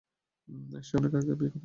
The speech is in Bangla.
সে অনেক আগে বিয়ে করে ফেলছে।